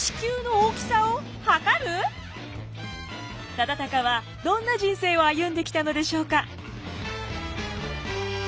忠敬はどんな人生を歩んできたのでしょうか？